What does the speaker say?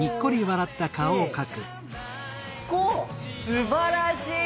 すばらしい！